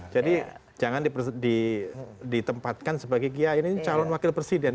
jadi jangan ditempatkan sebagai kiai ini calon wakil presiden